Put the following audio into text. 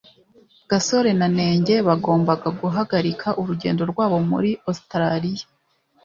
gasore na nenge bagombaga guhagarika urugendo rwabo muri ositaraliya